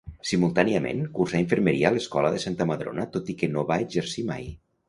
Simultàniament, cursà infermeria a l'Escola de Santa Madrona tot i que no va exercir mai.